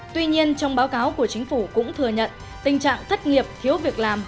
tuy nhiên trong báo cáo của chính phủ cũng thừa nhận tình trạng thất nghiệp thiếu việc làm